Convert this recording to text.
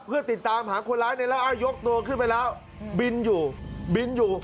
เพื่อติดตามหาคนร้ายในแล้วอ้าวยกตัวขึ้นไปแล้วบินอยู่บินอยู่